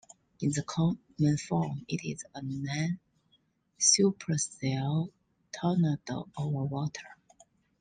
In the common form, it is a non-supercell tornado over water.